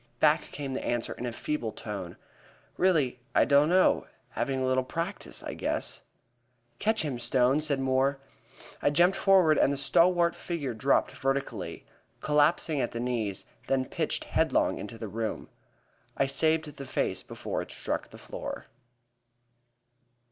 Back came the answer in a feeble tone: "Really, I don't know. Having a little practice, I guess." "Catch him, Stone," cried Moore. I jumped forward, and the stalwart figure dropped vertically collapsing at the knees, then pitched headlong into the room. I saved the face before it struck the floor.